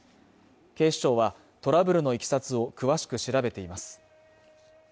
警視庁はトラブルの経緯を詳しく調べています